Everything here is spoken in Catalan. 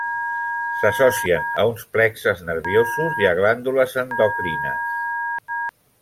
S'associen a uns plexes nerviosos i a glàndules endocrines.